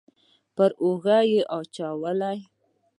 پر اوږه يې واچوله.